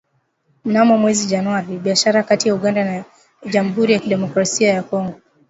Mnamo mwezi Januari, biashara kati ya Uganda na jamuhuri ya kidemokrasia ya Kongo